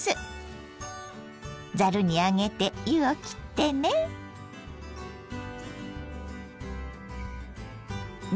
ざるに上げて湯を切ってね。